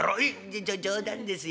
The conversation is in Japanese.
「じょ冗談ですよ。